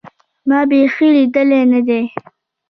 ما بيخي ليدلى نه دى.